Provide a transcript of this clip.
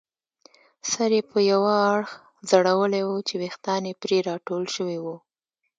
سر یې پر یوه اړخ ځړولی وو چې ویښتان یې پرې راټول شوي وو.